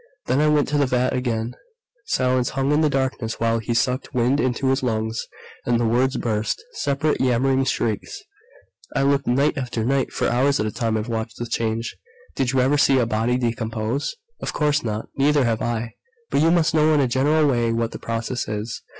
Then I went to the vat again " Silence hung in the darkness while he sucked wind into his lungs. And the words burst separate, yammering shrieks: "I looked, night after night! For hours at a time I've watched the change.... Did you ever see a body decompose? Of course not! Neither have I. But you must know in a general way what the process is.